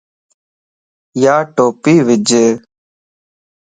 يا ٽوپي وج